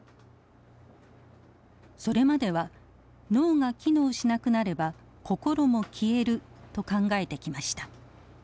それまでは脳が機能しなくなれば心も消えると考えてきました。